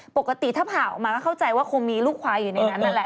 ปกติถ้าผ่าออกมาก็เข้าใจว่าคงมีลูกควายอยู่ในนั้นนั่นแหละ